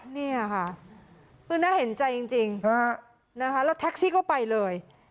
นี่ค่ะคือน่าเห็นใจจริงแล้วแท็กซี่ก็ไปเลย